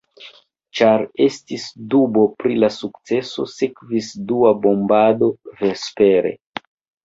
Ĉar estis dubo pri la sukceso, sekvis dua bombado vespere.